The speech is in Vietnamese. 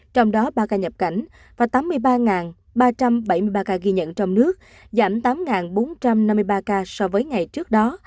trong đó ba ca nhập cảnh và tám mươi ba ba trăm bảy mươi ba ca ghi nhận trong nước giảm tám bốn trăm năm mươi ba ca so với ngày trước đó